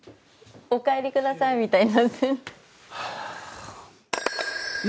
「お帰りください」みたいになってる。